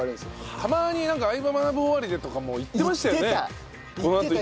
たまになんか『相葉マナブ』終わりでとかも行ってましたよね。